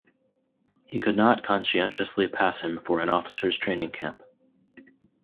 He could not conscientiously pass him for an officers' training-camp.